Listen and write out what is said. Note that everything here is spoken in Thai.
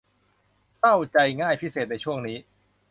เศร้าใจง่ายพิเศษในช่วงนี้